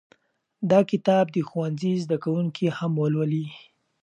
دا کتاب باید د ښوونځي زده کوونکي هم ولولي.